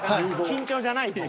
緊張じゃない方。